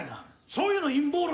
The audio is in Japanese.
そういうの陰謀論